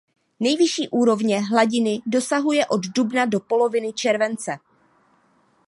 Nejvyšší úrovně hladiny dosahuje od dubna do poloviny července.